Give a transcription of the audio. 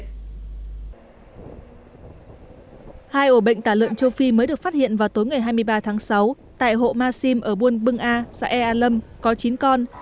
hai ổ bệnh tả lợn châu phi mới được phát hiện vào tối ngày hai mươi ba tháng sáu tại hộ ma sim ở buôn bưng a xã e a lâm có chín con